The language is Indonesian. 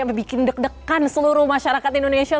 yang bikin deg degan seluruh masyarakat indonesia